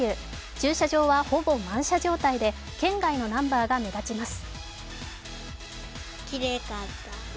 駐車場はほぼ満車状態で県外のナンバーが目立ちます。